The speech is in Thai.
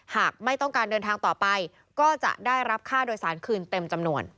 หากไม่ต้องการเดินทางต่อไปก็จะได้รับค่าโดยสารคืนเต็มจำนวน